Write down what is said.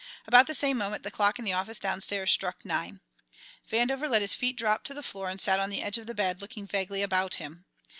About the same moment the clock in the office downstairs struck nine. Vandover let his feet drop to the floor and sat on the edge of the bed, looking vaguely about him.